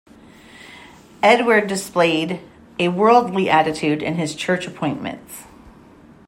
Edward displayed a worldly attitude in his church appointments.